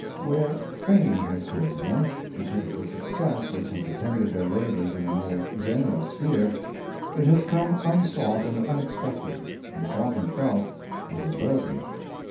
Where fame has come to them, because of the success which has attended their labors in a more general sphere, it has come unsought and unexpected, and is often felt as a burden.